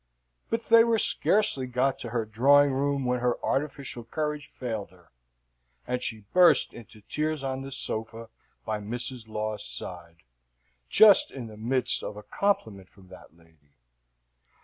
But they were scarcely got to her drawing room when her artificial courage failed her, and she burst into tears on the sofa by Mrs. Laws' side, just in the midst of a compliment from that lady.